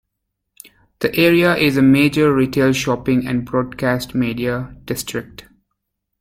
The area is a major retail shopping and broadcast media district.